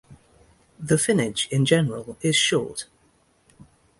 The finnage, in general, is short.